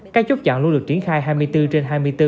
các chốt chặn luôn được triển khai hai mươi bốn trên hai mươi bốn